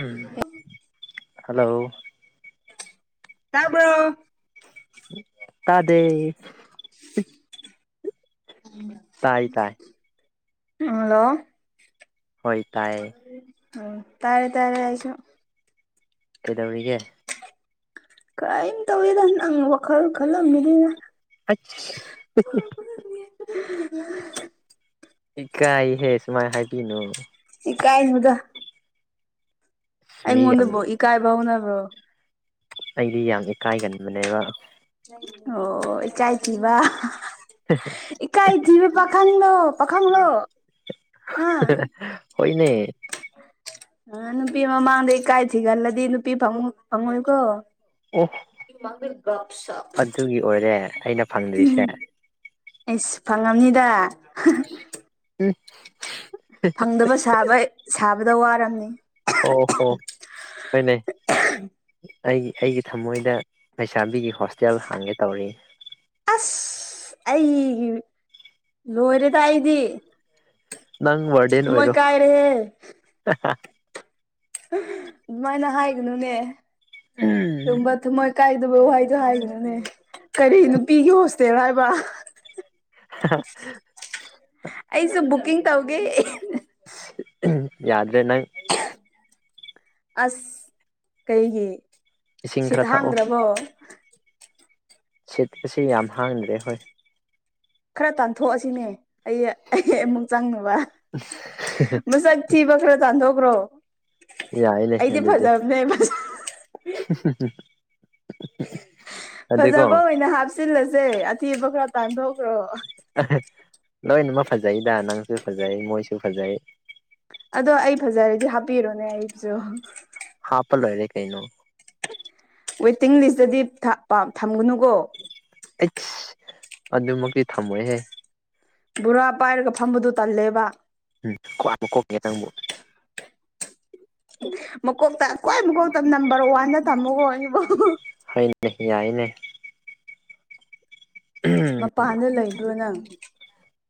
ꯎꯝ hello ꯇꯕ꯭ꯔꯣ ꯇꯥꯗꯦ ꯎꯝ ꯇꯥꯢ ꯇꯥꯢ ꯍꯜꯂꯣ ꯍꯣꯢ ꯇꯥꯢ ꯎꯝ ꯇꯥꯔꯦ ꯇꯥꯔꯦ ꯑꯩꯁꯨ ꯀꯩꯗꯧꯔꯤꯒꯦ ꯀꯔꯤꯝ ꯇꯧꯋꯦꯗ ꯅꯪ ꯋꯥꯈꯜ ꯈꯜꯂꯝꯃꯤꯅ ꯑꯁ ꯍꯨꯝ ꯍꯨꯝ ꯏꯀꯥꯢꯍꯦ ꯁꯨꯃꯥꯢ ꯍꯥꯢꯕꯤꯅꯨ ꯢꯀꯥꯢꯅꯨꯗ ꯃꯤ ꯌꯥꯝ ꯑꯩꯉꯣꯟꯗꯕꯨ ꯏꯀꯥꯢꯕ ꯍꯧꯅꯕ꯭ꯔꯣ ꯑꯩꯗꯤ ꯌꯥꯝ ꯏꯀꯥꯢꯒꯟꯕꯅꯦꯕ ꯑꯣ ꯑꯣ ꯏꯀꯥꯢ ꯊꯤꯕ ꯏꯀꯥꯢ ꯊꯤꯕ ꯄꯥꯈꯪꯂꯣ ꯄꯥꯈꯪꯂꯣ ꯍꯥ ꯑ ꯍ ꯍꯣꯢꯅꯦ ꯑ ꯅꯨꯄꯤ ꯃꯃꯥꯡꯗ ꯏꯀꯥꯢ ꯊꯤꯒꯜꯂꯗꯤ ꯅꯨꯄꯤ ꯐꯪꯉꯣ ꯐꯪꯉꯣꯢꯀꯣ ꯑꯣ ꯄꯤ ꯃꯥꯡꯗ ꯒꯞ ꯁꯞ ꯑꯗꯨꯒꯤ ꯑꯣꯏꯔꯦ ꯑꯩꯅ ꯎꯝ ꯐꯪꯗ꯭ꯔꯤꯁꯦ ꯍꯨꯝ ꯑꯩꯁ ꯐꯪꯉꯝꯅꯤꯗ ꯎꯝ ꯐꯪꯗꯕ ꯁꯥꯕꯩ ꯁꯥꯕꯗ ꯋꯥꯔꯝꯅꯤ ꯑꯣ ꯍꯣ ꯍꯣꯢꯅꯦ ꯑꯩꯒꯤ ꯑꯩꯒꯤ ꯊꯃꯣꯢꯗ ꯂꯩꯁꯥꯕꯤꯒꯤ ꯍꯣꯁꯇꯦꯜ ꯍꯥꯡꯒꯦ ꯇꯧꯔꯤ ꯑꯁ ꯑꯩ ꯂꯣꯢꯔꯦꯗ ꯑꯩꯗꯤ ꯅꯪ ꯋꯔꯗꯦꯟ ꯊꯃꯣꯏ ꯑꯣꯢꯔꯣ ꯀꯥꯏꯔꯦꯍꯦ ꯍꯥꯍꯥ ꯑꯗꯨꯃꯥꯢꯅ ꯍꯥꯢꯒꯅꯨꯅꯦ ꯗꯨꯨꯝꯕ ꯊꯨꯃꯣꯢ ꯀꯥꯢꯗꯕ ꯋꯥꯍꯩꯗꯣ ꯍꯥꯢꯒꯅꯨꯅꯦ ꯀꯔꯤ ꯅꯨꯄꯤꯒꯤ ꯍꯣꯁꯇꯦꯜ ꯍꯥꯢꯕ ꯍ ꯍꯥ ꯑꯩꯖꯨ ꯕꯨꯛꯀꯤꯡ ꯇꯧꯒꯦ ꯌꯥꯗ꯭ꯔꯦ ꯅꯪ ꯑꯁ ꯀꯩꯒꯤ ꯏꯁꯤꯡ ꯁꯤꯠ ꯈꯔ ꯊꯛꯑꯣ ꯍꯥꯡꯗ꯭ꯔꯕꯣ ꯁꯤꯠ ꯄꯁꯤ ꯌꯥꯝ ꯍꯥꯡꯗ꯭ꯔꯦ ꯍꯣꯢ ꯈꯔ ꯇꯥꯟꯊꯣꯛꯑꯁꯤꯅꯦ ꯑꯩ ꯑꯩ ꯑꯃꯨꯛ ꯆꯪꯅꯕ ꯃꯁꯛ ꯊꯤꯕ ꯈꯔ ꯇꯥꯟꯊꯣꯛꯈ꯭ꯔꯣ ꯑꯩꯗꯤ ꯐꯖꯕꯅꯦꯕ ꯍꯝ ꯍꯥ ꯍꯥ ꯍ ꯐꯖꯕ ꯑꯣꯏꯅ ꯍꯥꯞꯆꯤꯜꯂꯁꯦ ꯑꯊꯤꯕ ꯈꯔ ꯇꯥꯟꯊꯣꯛꯈ꯭ꯔꯣ ꯑꯍ ꯂꯣꯏꯅꯃꯛ ꯐꯖꯩꯗ ꯅꯪꯁꯨ ꯐꯖꯩ ꯃꯣꯏꯁꯨ ꯐꯖꯩ ꯑꯗꯣ ꯑꯩ ꯐꯖꯔꯗꯤ ꯍꯥꯞꯄꯤꯔꯣꯅꯦ ꯑꯩꯁꯨ ꯍꯥꯞꯄ ꯂꯣꯏꯔꯦ ꯀꯩꯅꯣ ꯋꯦꯇꯤꯡ ꯂꯤꯁꯇꯗꯤ ꯊꯥ ꯄꯥꯝ ꯊꯝꯒꯅꯨꯀꯣ ꯑꯩꯠꯁ ꯑꯗꯨꯃꯛꯇꯤ ꯊꯝꯃꯣꯏꯍꯦ ꯕꯣꯔꯥ ꯄꯥꯏꯔꯒ ꯐꯝꯕꯗꯨ ꯇꯜꯂꯦꯕ ꯎꯝ [unintelligible] ꯅꯪꯕꯣ ꯃꯀꯣꯛꯇ ꯀ꯭ꯋꯥꯏ ꯃꯀꯣꯛꯇ ꯅꯝꯕꯔ ꯋꯥꯟꯗ ꯊꯝꯃꯣꯀꯣ ꯑꯩꯕꯨ ꯍꯩꯅꯦ ꯌꯥꯏꯅꯦ ꯎꯍꯨꯝ ꯃꯄꯥꯟꯗ ꯂꯩꯕ꯭ꯔꯣ ꯅꯪ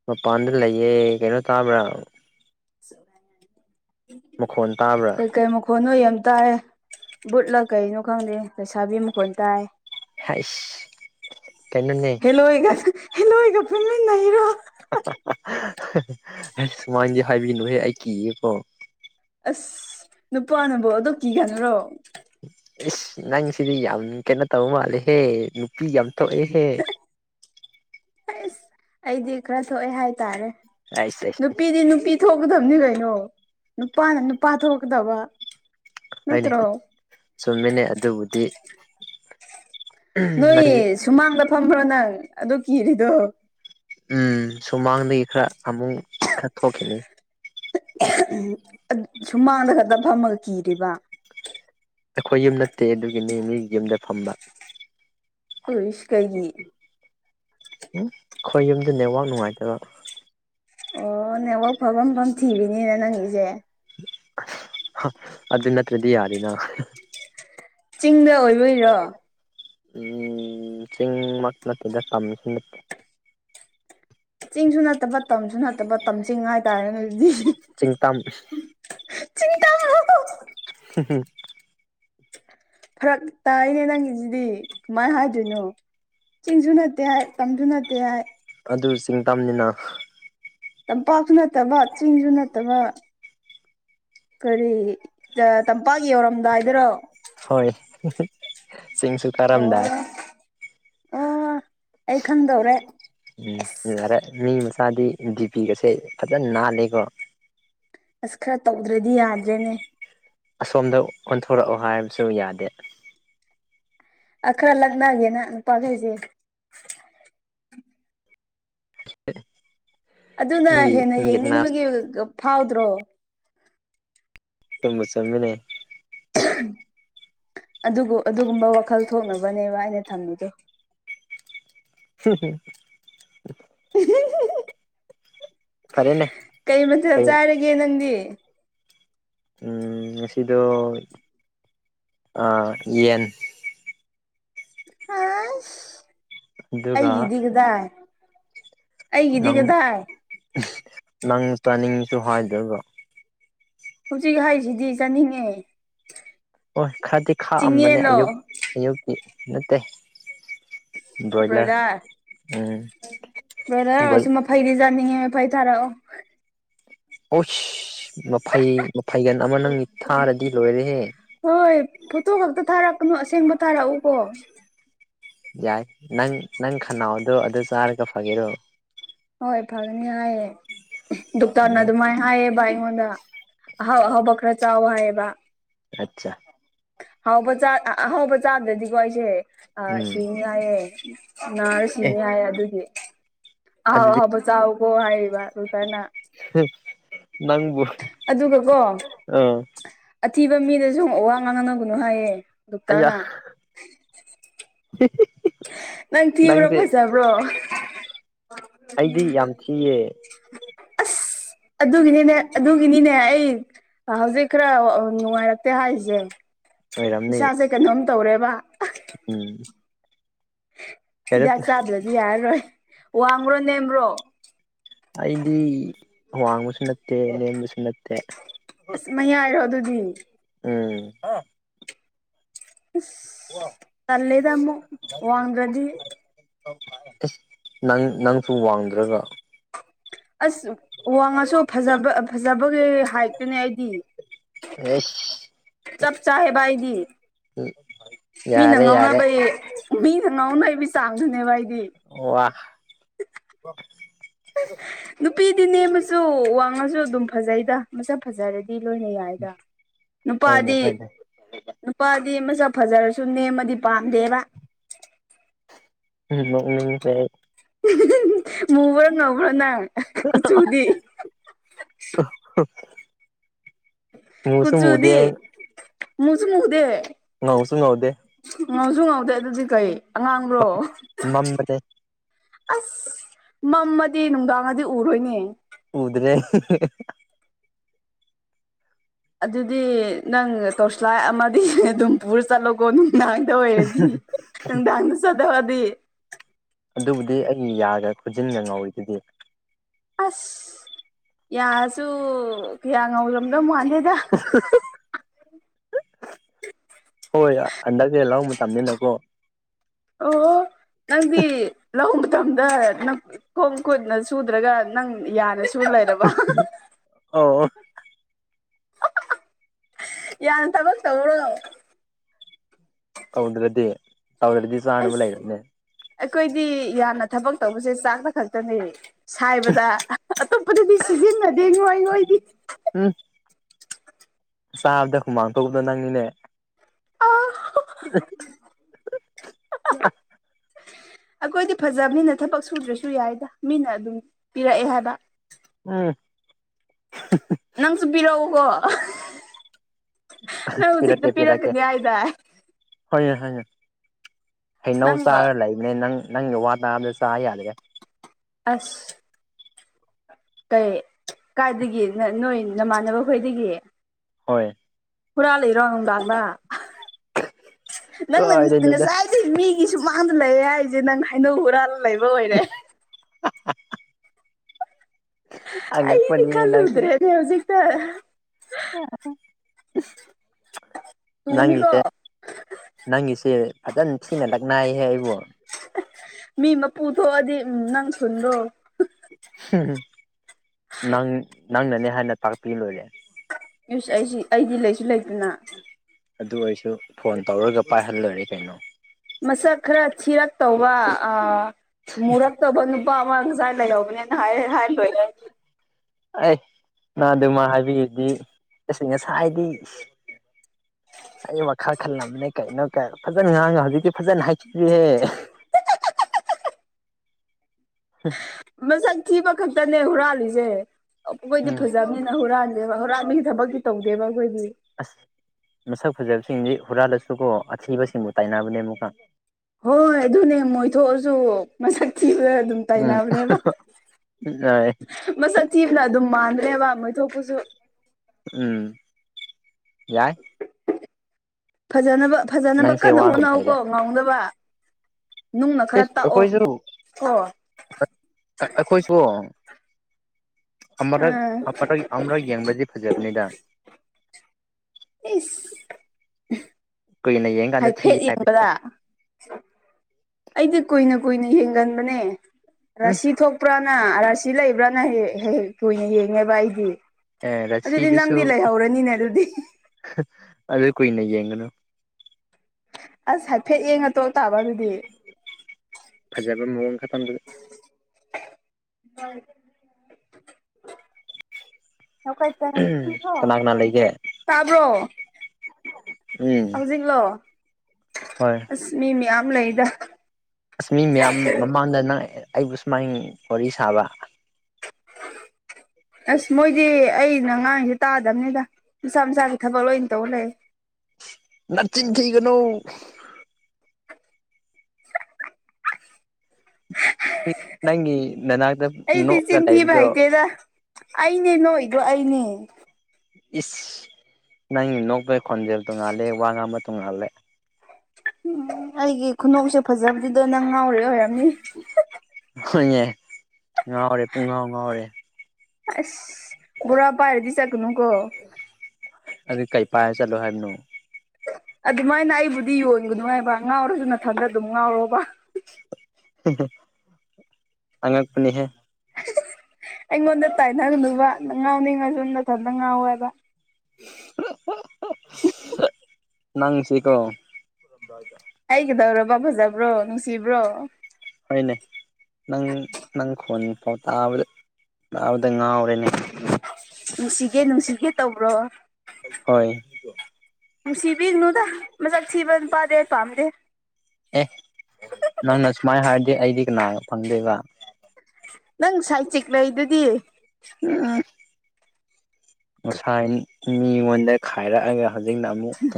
ꯃꯄꯥꯟꯗ ꯂꯩꯌꯦ ꯀꯩꯅꯣ ꯇꯥꯕ꯭ꯔꯥ [inaudible] ꯃꯈꯣꯟ ꯇꯥꯕ꯭ꯔꯥ ꯀꯩ ꯃꯈꯣꯟꯅꯣ ꯌꯥꯝ ꯇꯥꯌꯦ ꯕꯨꯠꯂ ꯀꯩꯅꯣ ꯈꯪꯗꯦ ꯂꯩꯁꯥꯕꯤ ꯃꯈꯣꯟ ꯇꯥꯏ ꯍꯩꯁ ꯀꯩꯅꯣꯅꯦ ꯂꯣꯏꯒ ꯍꯦꯂꯣꯏꯒ ꯄꯨꯟꯃꯤꯟꯅꯩꯔꯣ ꯍꯥ ꯍꯥ ꯍꯥ ꯍ ꯍꯥꯁ ꯁꯨꯃꯥꯏꯟꯗꯤ ꯍꯥꯏꯕꯤꯅꯨꯍꯦ ꯑꯩ ꯀꯤꯌꯦꯀꯣ ꯑꯁ ꯅꯨꯄꯥꯅꯕꯨ ꯑꯗꯨꯛ ꯀꯤꯒꯟꯕ꯭ꯔꯣ ꯏꯁ ꯅꯪꯁꯤꯗꯤ ꯌꯥꯝ ꯀꯩꯅꯣ ꯇꯧ ꯃꯥꯜꯂꯦꯍꯦ ꯅꯨꯄꯤ ꯌꯥꯝ ꯊꯣꯛꯑꯦꯍꯦ ꯑꯩꯁ ꯑꯩꯗꯤ ꯈꯔ ꯊꯣꯛꯑꯦ ꯍꯥꯏꯇꯥꯔꯦ ꯑꯩꯁ ꯑꯩꯁ ꯅꯨꯄꯤꯗꯤ ꯅꯨꯄꯤ ꯊꯣꯛꯀꯗꯝꯅꯤ ꯀꯩꯅꯣ ꯅꯨꯄꯥꯅ ꯅꯨꯄꯥ ꯊꯣꯛꯀꯗꯕ ꯍꯣꯏꯅꯦ ꯅꯠꯇ꯭ꯔꯣ ꯆꯨꯝꯃꯤꯅꯦ ꯑꯗꯨꯕꯨꯗꯤ ꯅꯣꯏ ꯅꯪꯁꯦ ꯁꯨꯃꯥꯡꯗ ꯐꯝꯕ꯭ꯔꯣ ꯅꯪ ꯑꯗꯨ ꯀꯤꯔꯤꯗꯣ ꯎꯝ ꯁꯨꯃꯥꯡꯗꯒꯤ ꯈꯔ ꯑꯃꯨꯛ ꯈꯔ ꯊꯣꯛꯈꯤꯅꯤ ꯈꯥ ꯎꯝ ꯑꯠ ꯁꯨꯃꯥꯡꯗ ꯈꯛꯇ ꯐꯝꯃꯒ ꯀꯤꯔꯤꯕ ꯑꯩꯈꯣꯏ ꯌꯨꯝ ꯅꯠꯇꯦ ꯑꯗꯨꯒꯤꯅꯦ ꯃꯤꯒꯤ ꯌꯨꯝꯗ ꯐꯝꯕ ꯑꯨꯏꯁ ꯀꯩꯒꯤ ꯎꯝ ꯈꯣꯏ ꯌꯨꯝꯗꯨ ꯅꯦꯠꯋꯥꯛ ꯅꯨꯡꯉꯥꯏꯇꯕ ꯑꯣ ꯅꯦꯛꯋꯥꯛ ꯐꯕꯐꯝ ꯊꯤꯔꯤꯅꯦꯅ ꯅꯪꯒꯤꯁꯦ ꯍꯥ ꯑꯗꯨ ꯅꯠꯇ꯭ꯔꯗꯤ ꯌꯥꯗꯦꯅ ꯆꯤꯡꯗ ꯑꯣꯏꯕꯩꯔꯣ ꯎꯝ ꯆꯤꯡꯃꯛ ꯅꯠꯇꯦꯗ ꯇꯝꯁꯨ ꯅꯠꯇꯦ ꯆꯤꯡꯁꯨ ꯅꯠꯇꯕ ꯇꯝꯁꯨ ꯅꯠꯇꯕ ꯇꯝ ꯆꯤꯡ ꯍꯥꯏ ꯇꯥꯔꯦꯅꯦ ꯑꯗꯨꯗꯤ ꯊꯝ ꯏꯁ ꯆꯤꯡ ꯇꯝ ꯍꯨ ꯍꯨ ꯐꯔꯛ ꯇꯥꯏꯅꯦ ꯅꯪꯒꯤꯖꯤꯗꯤ ꯀꯃꯥꯏ ꯍꯥꯏꯗꯣꯏꯅꯣ ꯆꯤꯡꯁꯨ ꯅꯠꯇꯦ ꯍꯥꯏ ꯇꯝꯁꯨ ꯅꯠꯇꯦ ꯍꯥꯏ ꯑꯗꯨ ꯆꯤꯡ ꯇꯝꯅꯤꯅ ꯇꯝꯄꯥꯛꯁꯨ ꯅꯠꯇꯕ ꯆꯤꯡꯁꯨ ꯅꯠꯇꯕ ꯀꯔꯤ ꯇꯥ ꯇꯝꯄꯥꯛ ꯌꯧꯔꯝꯗꯥꯏꯗꯔꯣ ꯍꯣꯏ ꯍ ꯍꯥ ꯆꯤꯡꯁꯨ ꯀꯥꯔꯝꯗꯥꯏ ꯑꯥ ꯑꯩ ꯈꯪꯗꯧꯔꯦ ꯎꯝ ꯑꯁ ꯂꯥꯔꯦ ꯃꯤ ꯃꯆꯥꯗꯤ ꯗꯤꯄꯤꯒꯁꯦ ꯐꯖꯟ ꯅꯥꯜꯂꯦꯀꯣ ꯑꯁ ꯈꯔ ꯇꯧꯗ꯭ꯔꯗꯤ ꯌꯥꯗ꯭ꯔꯦꯅꯦ ꯑꯁꯣꯝꯗ ꯀꯣꯢꯊꯣꯔꯛꯑꯣ ꯍꯥꯢꯕꯁꯨ ꯌꯥꯗꯦ ꯑꯥ ꯈꯔ ꯂꯛꯅꯒꯦꯅ ꯅꯨꯄꯥꯈꯩꯁꯦ [unintelligible] ꯑꯗꯨꯅ ꯃꯤꯒꯤ ꯍꯦꯟꯅ ꯃꯤꯒꯤ ꯅꯥꯠ ꯌꯦꯡꯅꯤꯡꯕꯒꯤ ꯒꯥ ꯐꯥꯎꯗ꯭ꯔꯣ ꯇꯨꯝꯕ ꯆꯪꯉꯅꯦ ꯑꯗꯨꯕꯨ ꯑꯗꯨꯒꯨꯝꯕ ꯋꯥꯈꯜ ꯊꯣꯛꯅꯕꯅꯦꯕ ꯑꯩꯅ ꯊꯝꯃꯤꯗꯣ [unintelligible] ꯐꯔꯦꯅꯦ ꯀꯩ ꯃꯊꯦꯜ ꯆꯥꯔꯒꯦ ꯅꯪꯗꯤ ꯎꯝ ꯉꯁꯤꯗꯣ ꯑꯥ ꯌꯦꯟ ꯍꯥꯢꯁ ꯑꯗꯨꯒ ꯑꯩꯒꯤꯗꯤ ꯀꯗꯥꯢ ꯑꯩꯒꯤꯗꯤ ꯒꯗꯥꯥ ꯢ ꯎꯡꯁ ꯅꯪ ꯆꯥꯅꯤꯡꯁꯨ ꯍꯥꯢꯗ꯭ꯔꯒ ꯍꯧꯖꯤꯛ ꯍꯥꯢꯁꯤꯗꯤ ꯆꯥꯅꯤꯡꯉꯦ ꯑꯣꯢ ꯈꯛꯗꯤ ꯈꯥꯛꯑꯝꯕꯅꯦ ꯆꯤꯡꯌꯦꯜꯂꯣ ꯑꯌꯨꯛ ꯑꯌꯨꯛꯀꯤ ꯅꯠꯇꯦ ꯕ꯭ꯔꯣꯏꯂꯔ ꯕ꯭ꯔꯗꯥ ꯎꯝ ꯕ꯭ꯔꯗꯔ ꯑꯣꯢꯁꯨ ꯃꯐꯩꯗꯤ ꯆꯥꯅꯤꯡꯉꯦ ꯃꯐꯩꯗꯣ ꯊꯥꯔꯛꯑꯣ ꯑꯣꯁ ꯃꯐꯩ ꯃꯐꯩꯒꯟ ꯑꯃ ꯅꯪ ꯊꯥꯔꯗꯤ ꯂꯣꯢꯔꯦꯍꯦ ꯍꯣꯢ ꯐꯣꯇꯣ ꯈꯛꯇ ꯊꯥꯔꯛꯀꯅꯣ ꯑꯁꯦꯡꯕ ꯊꯥꯔꯛꯎꯀꯣ ꯌꯥꯢ ꯅꯪ ꯅꯪ ꯈꯅꯥꯎꯗꯣ ꯑꯗꯨ ꯆꯥꯔꯒ ꯐꯒꯦꯔꯣ ꯍꯣꯢ ꯐꯒꯅꯤ ꯍꯥꯢꯌꯦ ꯗꯣꯛꯇꯅ ꯗꯨꯃꯥꯢ ꯍꯥꯢꯌꯦꯕ ꯑꯩꯉꯣꯟꯗ ꯑꯍꯥꯎ ꯑꯍꯥꯎꯕ ꯈꯔ ꯆꯥꯎ ꯍꯥꯢꯌꯦꯕ ꯑꯠꯆꯥ ꯍꯥꯎꯕ ꯆꯥ ꯑꯍꯥꯎꯕ ꯆꯥꯗ꯭ꯔꯗꯤꯀꯣ ꯑꯩꯖꯦ ꯑ ꯎꯝ ꯁꯤꯅꯤ ꯅꯤ ꯌꯥꯢꯌꯦ ꯅꯥꯔ ꯑꯦ ꯁꯤꯅꯤ ꯍꯥꯢꯌꯦ ꯑꯗꯨꯒꯤ ꯑꯍꯥꯎ ꯑꯗꯨꯗꯤ ꯑꯍꯥꯎꯕ ꯆꯥꯎꯒꯣ ꯍꯥꯢꯔꯤꯕ ꯗꯣꯛꯇꯔꯅ ꯍ ꯅꯪꯕꯨ ꯑꯗꯨꯒ ꯀꯣ ꯑꯥ ꯑꯊꯤꯕ ꯃꯤꯗꯖꯨ ꯋꯥ ꯉꯥꯡꯅꯒꯅꯨ ꯍꯥꯢꯌꯦ ꯑꯩꯌꯥ ꯍꯤ ꯍꯤ ꯍꯤ ꯅꯪ ꯊꯤꯕ꯭ꯔꯥ ꯅꯪꯁꯦ ꯐꯖꯕ꯭ꯔꯣ ꯑꯩꯗꯤ ꯌꯥꯝ ꯊꯤꯌꯦ [inaudible] ꯁ ꯑꯗꯨꯒꯤꯅꯤꯅꯦ ꯑꯗꯨꯒꯤꯅꯤꯅꯦ ꯑꯩ ꯑꯥ ꯍꯧꯖꯤꯛ ꯈꯔ ꯑ ꯅꯨꯡꯉꯥꯢꯔꯛꯇꯦ ꯍꯥꯢꯌꯤꯖꯦ ꯑꯣꯏꯔꯝꯅꯤ ꯏꯁꯥꯖꯦ ꯀꯩꯅꯣꯝ ꯇꯧꯔꯦꯕꯥ ꯎꯝ ꯀꯩꯅꯣ ꯍꯤꯗꯥꯛ ꯆꯥꯗ꯭ꯔꯗꯤ ꯌꯥꯔꯔꯣꯢ ꯋꯥꯡꯕ꯭ꯔꯣ ꯅꯦꯝꯕ꯭ꯔꯣ ꯑꯩꯗꯤ ꯋꯥꯡꯕꯁꯨ ꯅꯠꯇꯦ ꯅꯦꯝꯕꯁꯨ ꯅꯠꯇꯦ ꯑꯁ ꯃꯌꯥꯢꯔꯣ ꯑꯗꯨꯗꯤ ꯎꯝ ꯑꯣ ꯑꯁ ꯇꯜꯂꯦꯗꯃꯨꯛ ꯋꯥꯡꯗ꯭ꯔꯗꯤ ꯑꯁ ꯅꯪ ꯅꯪꯁꯨ ꯋꯥꯡꯗ꯭ꯔꯒ ꯑꯁ ꯋꯥꯡꯉꯁꯨ ꯐꯖꯕ ꯐꯖꯕꯒꯤ ꯍꯥꯢꯇꯨꯅꯦ ꯑꯩꯗꯤ ꯑꯩꯁ ꯆꯞ ꯆꯥꯑꯦꯕ ꯑꯩꯗꯤ ꯃꯤꯅ ꯌꯥꯔꯦ ꯌꯥꯔꯦ ꯉꯥꯎꯅꯕꯩ ꯕꯤꯅ ꯉꯥꯎꯅꯩꯕꯤ ꯆꯥꯡꯗꯨꯅꯦꯕ ꯑꯩꯗꯤ ꯑꯣꯋꯥ ꯅꯨꯄꯤꯗꯤ ꯅꯦꯝꯃꯖꯨ ꯋꯥꯡꯉꯖꯨ ꯑꯗꯨꯝ ꯐꯖꯩꯗꯥ ꯃꯁꯛ ꯐꯖꯔꯗꯤ ꯂꯣꯏꯅ ꯌꯥꯏ ꯍꯥꯏꯗꯥ ꯍꯣꯏꯅꯦ ꯅꯨꯄꯥꯗꯤ ꯍꯣꯏꯅꯦ ꯅꯨꯄꯥꯗꯤ ꯃꯁꯛ ꯐꯖꯔꯁꯨ ꯅꯦꯝꯃꯗꯤ ꯄꯥꯝꯗꯦꯕꯥ ꯎꯝ ꯅꯣꯛꯅꯤꯡꯗꯦ ꯑꯩ [unintelligible] ꯃꯨꯕ꯭ꯔ ꯉꯧꯕ꯭ꯔ ꯅꯪ ꯀꯨꯆꯨꯗꯤ [unintelligible] ꯃꯨꯁꯨ ꯀꯨꯆꯨꯗꯤ ꯃꯨꯗꯦ ꯃꯖꯨ ꯃꯨꯗꯦ ꯉꯧꯁꯨ ꯉꯧꯗꯦ ꯉꯧꯖꯨ ꯉꯧꯗꯦ ꯑꯗꯨꯗꯤ ꯀꯩ ꯑꯉꯥꯡꯕ꯭ꯔꯣ ꯃꯝꯕꯅꯦ ꯑꯁ ꯃꯝꯃꯗꯤ ꯅꯨꯡꯗꯥꯡꯒꯗꯤ ꯎꯔꯣꯏꯅꯦ ꯎꯗ꯭ꯔꯦ ꯑꯗꯨꯗꯤ ꯅꯪ ꯇꯣꯁꯂꯥꯏ ꯑꯃꯗꯤ ꯑꯗꯨꯝ ꯄꯨꯔ ꯆꯠꯂꯣꯀꯣ ꯅꯥꯡꯗ ꯑꯣꯏꯔꯗꯤ ꯅꯨꯡꯗꯥꯡꯗ ꯆꯠꯍꯧꯔꯗꯤ ꯑꯗꯨꯕꯨꯗꯤ ꯑꯩꯒꯤ ꯌꯥꯒ ꯈꯨꯖꯤꯟꯒ ꯉꯧꯌꯤꯖꯤꯗꯤ ꯑꯁ ꯌꯥꯁꯨ ꯀꯌꯥ ꯉꯧꯔꯝꯗꯧ ꯃꯥꯟꯗꯦꯗꯥ [unintelligible] ꯍꯣꯏ ꯍꯟꯗꯛꯁꯦ ꯂꯧ ꯃꯇꯝꯅꯤꯅꯀꯣ ꯑꯣ ꯑꯣ ꯅꯪꯗꯤ ꯂꯧ ꯇꯝꯗ ꯅ ꯈꯣꯡ ꯈꯨꯠꯅ ꯁꯨꯗ꯭ꯔꯒ ꯅꯪ ꯌꯥꯅ [unintelligible] ꯌꯥꯅ ꯊꯕꯛ ꯇꯧꯕ꯭ꯔꯣ ꯇꯧꯗ꯭ꯔꯗꯤ ꯇꯧꯗ꯭ꯔꯗꯤ ꯆꯥꯅꯕ ꯑꯁ ꯂꯩꯔꯣꯏꯅꯦ ꯑꯩꯈꯣꯏꯗꯤ ꯌꯥꯅ ꯊꯕꯛ ꯇꯧꯕꯁꯦ ꯆꯥꯛꯇ ꯈꯛꯇꯅꯦ ꯁꯥꯏꯕꯗ ꯑꯇꯣꯞꯄꯗꯗꯤ ꯁꯤꯖꯤꯟꯅꯗꯦ ꯅꯣꯏ ꯅꯣꯏꯗꯤ ꯎꯝ ꯆꯥꯕꯗ ꯍꯨꯃꯥꯡ ꯊꯣꯛꯕꯗꯣ ꯅꯪꯅꯤꯅꯦ ꯑꯥ [unintelligible] ꯑꯩꯈꯣꯏꯗꯤ ꯐꯖꯕꯅꯤꯅ ꯊꯕꯛ ꯁꯨꯗ꯭ꯔꯁꯨ ꯌꯥꯏꯗ ꯃꯤꯅ ꯑꯗꯨꯝ ꯄꯤꯔꯛꯑꯦ ꯍꯥꯏꯕ ꯎꯝ ꯅꯪꯁꯨ ꯄꯤꯔꯛꯎꯀꯣ ꯅꯪ ꯍꯧꯖꯤꯛꯇ ꯄꯤꯔꯛꯀꯅꯤ ꯍꯥꯏꯗꯥꯏ ꯍꯣꯏ ꯍꯣꯏ ꯍꯩꯅꯧ ꯅꯪ ꯆꯥꯔ ꯂꯩ ꯅꯪ ꯅꯪꯒꯤ ꯋꯥ ꯇꯥꯕꯗ ꯆꯥ ꯌꯥꯗ꯭ꯔꯦ ꯑꯁ ꯀꯩ ꯀꯥꯏꯗꯒꯤ ꯅꯣꯏ ꯅꯃꯥꯟꯅꯕ ꯈꯣꯏꯗꯒꯤ ꯍꯣꯏ ꯍꯨꯔꯥꯟ ꯂꯤꯔꯣ ꯅꯨꯗꯥꯡꯗ ꯅꯪꯅ ꯀꯥꯏꯗꯩꯅꯣꯗ ꯉꯁꯥꯏ ꯑꯩ ꯃꯤꯒꯤ ꯁꯨꯃꯥꯡꯗ ꯂꯩꯔꯦ ꯍꯥꯏꯁꯦ ꯅꯪ ꯍꯩꯅꯧ ꯍꯨꯔꯥꯜ ꯂꯩꯕ ꯑꯣꯏꯔꯦ [unintelligible] ꯑꯩꯗꯤ ꯑꯉꯛꯄꯅꯤꯍꯦ ꯈꯟꯂꯨꯗ꯭ꯔꯦꯅꯦ ꯍꯧꯖꯤꯛꯇ ꯇꯨꯅꯤꯀꯣ ꯅꯪꯪꯒꯤꯁꯦ ꯅꯪꯒꯤꯁꯦ ꯐꯖꯅ ꯊꯤꯅ ꯂꯛꯅꯩꯍꯦ ꯑꯩꯕꯨ ꯃꯤ ꯃꯄꯨ ꯊꯣꯛꯑꯗꯤ ꯅꯪ ꯈꯨꯟꯗꯣ ꯅꯪ ꯅꯪꯅꯅꯤ ꯍꯥꯏꯅ ꯇꯥꯛꯄꯤ ꯂꯣꯏꯔꯦ ꯌꯨꯁ ꯑꯩꯁꯤ ꯑꯩꯗꯤ ꯂꯩꯁꯨ ꯂꯩꯇꯅ ꯑꯗꯨ ꯑꯣꯏꯔꯁꯨ ꯐꯣꯟ ꯇꯧꯔꯒ ꯄꯥꯏꯍꯜꯂꯣꯏꯔꯦ ꯀꯩꯅꯣ ꯃꯁꯛ ꯈꯔ ꯊꯤꯔꯛ ꯇꯧꯕ ꯃꯨꯔꯞ ꯃꯨꯔꯥꯞ ꯇꯧꯕ ꯅꯨꯄꯥ ꯑꯃ ꯉꯁꯥꯏ ꯂꯩꯍꯧꯕꯅꯦꯅ ꯍꯥꯏ ꯍꯥꯢꯗꯣꯢꯅꯦ ꯑꯩ ꯅꯍꯥꯟ ꯑꯗꯨꯃꯥꯢ ꯍꯥꯏꯕꯤꯔꯗꯤ ꯑꯁ ꯉꯁꯥꯏꯗꯒꯤ ꯑꯩ ꯋꯥꯈꯜ ꯈꯜꯂꯝꯕꯅꯦ ꯀꯩꯅꯣ ꯀꯥꯏꯅ ꯐꯖꯅ ꯉꯥꯡꯉꯦ ꯍꯧꯖꯤꯛꯇꯤ ꯐꯖꯅ ꯍꯥꯏꯕꯤꯒꯦꯍꯦ ꯍꯤ [unintelligible] ꯃꯁꯛ ꯊꯤꯕ ꯈꯛꯇꯅꯦ ꯍꯨꯔꯥꯜꯂꯤꯁꯦ ꯈꯣꯏꯗꯤ ꯎꯝ ꯐꯖꯕꯅꯤꯅ ꯍꯨꯔꯥꯟ ꯍꯔꯥꯟꯕꯒꯤ ꯊꯕꯛꯇꯤ ꯇꯧꯗꯦꯕ ꯑꯩꯈꯣꯏꯗꯤ ꯑꯁ ꯃꯁꯛ ꯐꯖꯕꯁꯤꯡꯗꯤ ꯍꯨꯔꯥꯜꯂꯁꯨꯀꯣ ꯑꯊꯤꯕꯁꯤꯡꯕꯨ ꯇꯥꯏꯅꯕꯅꯦ ꯑꯃꯨꯛꯀ ꯍꯣꯏ ꯑꯗꯨꯅꯦ ꯃꯣꯏꯊꯣꯛꯑꯁꯨ ꯃꯁꯛ ꯊꯤꯕ ꯑꯗꯨꯝ ꯎꯝ ꯇꯩꯅꯕꯅꯦꯕ ꯃꯁꯛ ꯊꯤꯕꯅ ꯑꯗꯨꯝ ꯃꯥꯟꯕꯅꯦꯕ ꯃꯣꯏꯊꯣꯛꯄꯁꯨ ꯎꯝ ꯌꯥꯏ ꯐꯖꯅꯕ ꯐꯖꯅꯕ ꯅꯪꯁꯦ ꯀꯟꯅ ꯋꯥ ꯉꯝ ꯍꯣꯠꯅꯧꯀꯣ ꯉꯧꯅꯕ ꯑꯦ ꯑꯩꯈꯣꯏꯁꯨ ꯀꯣ ꯑꯩꯈꯣꯏꯁꯨ ꯑꯃꯔꯛ ꯑꯥ ꯑꯃ ꯑꯃꯔꯛ ꯌꯦꯡꯕꯗꯤ ꯐꯖꯕꯅꯤꯗ ꯏꯁ ꯀꯨꯏꯅ ꯌꯦꯡ ꯍꯥꯏꯐꯦꯠ ꯌꯦꯡꯕꯗ ꯑꯩꯗꯤ ꯀꯨꯏꯅ ꯀꯨꯏꯅ ꯌꯦꯡꯒꯟꯕꯅꯦ ꯎꯝ ꯔꯁꯤ ꯊꯣꯛ ꯊꯣꯛꯄ꯭ꯔꯥꯅ ꯔꯥꯁꯤ ꯂꯩꯕ꯭ꯔꯥꯅ ꯍꯦꯛ ꯍꯦꯛ ꯀꯨꯏꯅ ꯌꯦꯡꯉꯦꯕ ꯑꯩꯗꯤ ꯑꯦ ꯑꯗꯨꯗꯤ ꯅꯪꯗꯤ ꯂꯩꯍꯧꯔꯅꯤꯅꯦ ꯑꯗꯨꯗꯤ ꯑꯗꯨꯗꯤ ꯀꯣꯏꯅ ꯌꯦꯡꯒꯅꯨ ꯑꯁ ꯍꯥꯏꯐꯦꯠ ꯌꯦꯡꯉ ꯇꯣꯛ ꯇꯥꯕ ꯑꯗꯨꯗꯤ ꯐꯖꯥꯕ ꯃꯑꯣꯡ ꯈꯛꯇꯪꯗꯨ ꯍꯣꯏ ꯀꯅꯥ ꯀꯅꯥ ꯂꯩꯒꯦ ꯇꯥꯕ꯭ꯔꯣ ꯎꯝ ꯍꯧꯖꯤꯛꯂꯣ ꯍꯣꯏ ꯑꯁ ꯃꯤ ꯃꯌꯥꯝ ꯂꯩꯗ ꯑꯁ ꯃꯤ ꯃꯌꯥꯝ ꯃꯃꯥꯡꯗ ꯅꯪ ꯑꯩꯕꯨ ꯁꯨꯃꯥꯏ ꯋꯥꯔꯤ ꯁꯥꯕ ꯑꯁ ꯃꯣꯏꯗꯤ ꯑꯩꯅ ꯉꯥꯡꯉꯤꯖꯦ ꯇꯥꯗꯝꯅꯤꯗ ꯃꯁꯥ ꯃꯁꯥꯒꯤ ꯊꯕꯛ ꯂꯣꯏꯅ ꯇꯧ ꯂꯩ ꯅꯆꯤꯟ ꯊꯤꯒꯅꯣ ꯅꯪꯒꯤ ꯅꯅꯥꯛꯗ ꯑꯩꯗꯤ ꯆꯤꯟꯊꯤꯕ ꯍꯩꯇꯦꯗꯥ ꯑꯩꯅꯦ ꯅꯣꯛꯏꯗꯣ ꯑꯩꯅꯦ ꯏꯁ ꯅꯪꯒꯤ ꯅꯣꯛꯄꯩ ꯈꯣꯟꯖꯦꯜ ꯇꯣꯡꯉꯥꯜꯂꯦ ꯋꯥ ꯉꯥꯡꯕ ꯇꯣꯡꯉꯥꯜꯂꯦ ꯑꯩꯒꯤ ꯈꯨꯅꯣꯛꯁꯦ ꯐꯖꯕꯗꯨꯗ ꯅꯪ ꯉꯥꯎꯔꯤ ꯑꯣꯏꯔꯝꯅꯤ ꯍꯣꯏꯅꯦ ꯉꯥꯎꯔꯦ ꯄꯨꯡꯉꯥꯎ ꯉꯥꯎꯔꯦ ꯑꯁ ꯕꯣꯔꯥ ꯄꯥꯏꯔꯗꯤ ꯆꯠꯀꯅꯨ ꯀꯣ ꯑꯗꯨ ꯀꯩ ꯄꯥꯏꯔ ꯆꯠꯂꯣ ꯍꯥꯏꯕꯅꯣ ꯑꯗꯨꯃꯥꯏꯅ ꯑꯩꯕꯨꯗꯤ ꯌꯣꯟꯒꯅꯨ ꯍꯥꯏꯕ ꯉꯥꯎꯔꯖꯨ ꯅꯊꯟꯗ ꯑꯗꯨꯝ ꯉꯥꯎꯔꯣꯕ ꯍꯦ ꯍꯦ ꯑꯉꯛꯄꯅꯤꯍꯦ ꯍ ꯍ ꯑꯩꯉꯣꯟꯗ ꯇꯥꯏꯅꯒꯅꯨꯕꯥ ꯉꯥꯎꯅꯤꯡꯉꯖꯨ ꯅꯊꯟꯗ ꯉꯥꯎ ꯍꯥꯏꯕ ꯍ ꯍ ꯍ ꯅꯪꯁꯤꯀꯣ ꯀꯗꯥꯏꯗ ꯑꯩ ꯀꯩꯗꯧꯔꯕ ꯐꯖꯕ꯭ꯔꯣ ꯅꯨꯡꯁꯤꯕ꯭ꯔꯣ ꯍꯣꯏꯅꯦ ꯅꯪ ꯅꯪ ꯈꯣꯟ ꯐꯥꯎ ꯇꯥꯕꯗ ꯇꯥꯕꯗ ꯉꯥꯎꯔꯦꯅꯦ ꯅꯨꯡꯁꯤꯒꯦ ꯅꯨꯡꯁꯤꯒꯦ ꯇꯧꯕ꯭ꯔꯣ ꯍꯣꯏ ꯅꯨꯡꯁꯤꯕꯤꯅꯨꯗꯥ ꯃꯁꯛ ꯊꯤꯕ ꯅꯨꯄꯥꯗꯤ ꯑꯩ ꯄꯥꯝꯗꯦ ꯑꯦ ꯅꯪꯅ ꯁꯨꯃꯥꯏ ꯍꯥꯏꯔꯗꯤ ꯑꯩꯗꯤ ꯀꯅꯥꯒ ꯐꯪꯗꯣꯏꯕ ꯅꯪ ꯁꯥꯏꯠ ꯆꯤꯛ ꯂꯩꯗꯨꯗꯤ ꯎꯝ ꯉꯥꯁꯥꯏ ꯃꯤꯉꯣꯟꯗ ꯈꯥꯏꯔꯛꯑꯒ ꯍꯧꯖꯤꯛꯅ ꯑꯃꯨꯛ